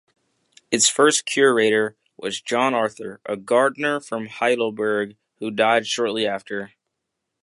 Its first Curator was John Arthur, a gardener from Heidelberg, who died shortly after.